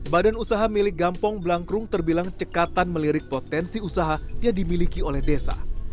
badan usaha milik gampong blangkrung terbilang cekatan melirik potensi usaha yang dimiliki oleh desa